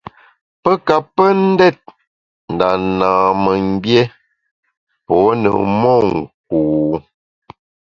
Pe ka pe ndét nda nâmemgbié pô ne monku.